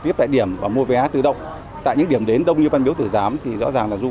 tiếp tại điểm và mua vé tự động tại những điểm đến đông như văn miếu tử giám thì rõ ràng là du